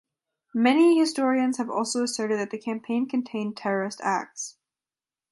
Many historians have also asserted that the campaign contained terrorist acts.